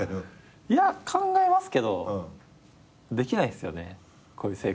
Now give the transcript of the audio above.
いや考えますけどできないっすこういう生活してたら。